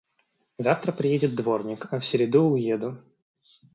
Завтра приедет дворник, а в середу уеду.